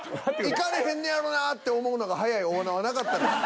いかれへんねやろなって思うのが早い大縄なかったです。